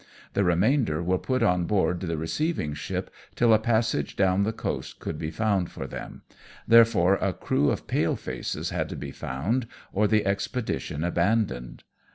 The remainder were put on board the receiving ship till a passage down the coast could be found for them, therefore a crew of palefaces had to be found, or the expedition abandoned.